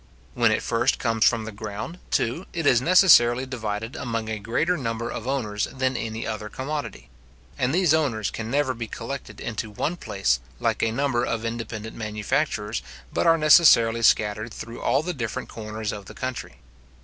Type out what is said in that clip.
When it first comes from the ground, too, it is necessarily divided among a greater number of owners than any other commodity; and these owners can never be collected into one place, like a number of independent manufacturers, but are necessarily scattered through all the different corners of the country.